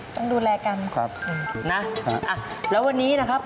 ต้องดูแลกันครับนะแล้ววันนี้นะครับ